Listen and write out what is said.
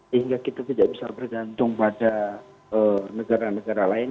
sehingga kita tidak bisa bergantung pada negara negara lain